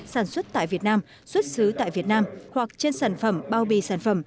sản xuất tại việt nam xuất xứ tại việt nam hoặc trên sản phẩm bao bì sản phẩm